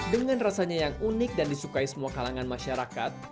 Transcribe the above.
dengan rasanya yang unik dan disukai semua kalangan masyarakat